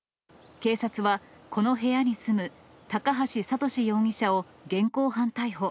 警察は、この部屋に住む高橋智容疑者を現行犯逮捕。